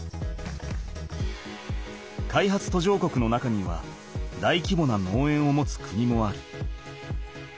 開発途上国の中にはだいきぼな農園を持つ国もある。